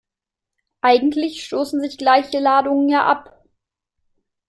Eigentlich stoßen sich gleiche Ladungen ja ab.